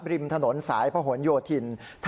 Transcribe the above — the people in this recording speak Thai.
ริมถนนสายพระหลโยธิน